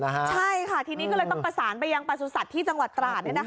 ใช่ค่ะทีนี้ก็เลยต้องประสานไปยังประสุทธิ์ที่จังหวัดตราด